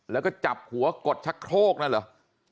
แล้วก็จับหัวกดชักโครกนั่นเหรอ